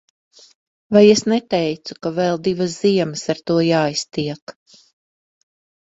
Vai es neteicu, ka vēl divas ziemas ar to jāiztiek.